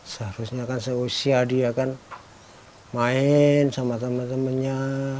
seharusnya kan seusia dia kan main sama temen temennya